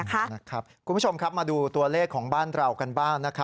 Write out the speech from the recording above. คุณผู้ชมครับมาดูตัวเลขของบ้านเรากันบ้าง